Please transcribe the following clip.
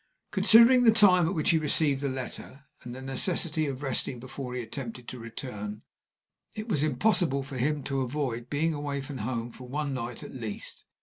Considering the time at which he received the letter, and the necessity of resting before he attempted to return, it was impossible for him to avoid being away from home for one night, at least.